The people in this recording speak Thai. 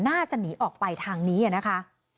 น่าจะหนีออกไปทางนี้นะคะ